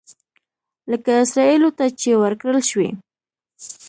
لکه اسرائیلو ته چې ورکړل شوي.